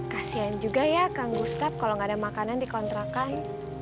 kasian juga ya kang gustaf kalau nggak ada makanan dikontrakan